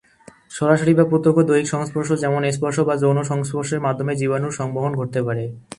সরাসরি বা প্রত্যক্ষ দৈহিক সংস্পর্শ যেমন স্পর্শ বা যৌন সংস্পর্শের মাধ্যমে জীবাণুর সংবহন ঘটতে পারে।